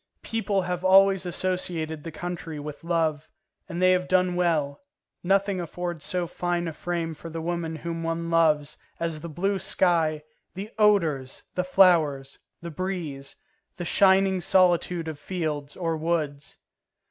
People have always associated the country with love, and they have done well; nothing affords so fine a frame for the woman whom one loves as the blue sky, the odours, the flowers, the breeze, the shining solitude of fields, or woods.